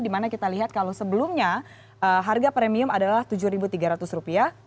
dimana kita lihat kalau sebelumnya harga premium adalah rp tujuh tiga ratus